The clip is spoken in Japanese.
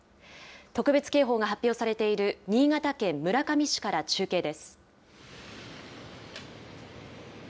特別警報が発表されている新潟県村上市から中継です。